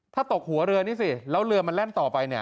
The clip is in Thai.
ถ้าตกหัวเรือนี่สิแล้วเรือมันแล่นต่อไปเนี่ย